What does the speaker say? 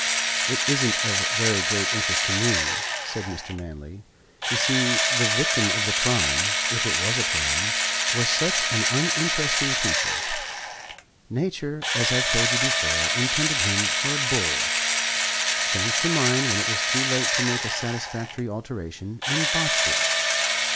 "It isn't of very great interest to me," said Mr. Manley. "You see, the victim of the crime, if it was a crime, was such an uninteresting creature. Nature, as I've told you before, intended him for a bull, changed her mind when it was too late to make a satisfactory alteration, and botched it.